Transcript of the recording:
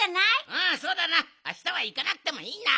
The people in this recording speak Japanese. うんそうだなあしたはいかなくてもいいな。